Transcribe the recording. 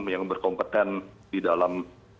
yang berkompeten di dalam